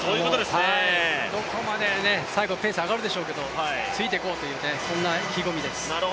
どこまで最後、ペース上がるでしょうけれども、ついていこうという意気込みです。